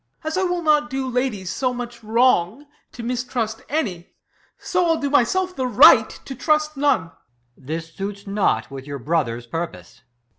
As I will not do ladies so much wrong To mistrust any, so I'll do myself The right to trust none. EscH. This suits not with your brother's pur pose.